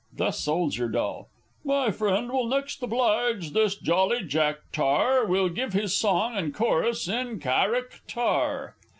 _ The Soldier Doll. My friend will next oblige this jolly Jack Tar. Will give his song and chorus in charàck tar!